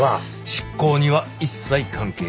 執行には一切関係ない。